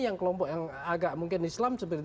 yang kelompok yang agak mungkin islam